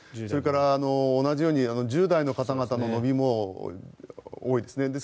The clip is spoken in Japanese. それから同じように１０代の方々の伸びも多いですね。